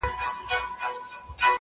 دغه کار ته فکر وړی دی حیران دی،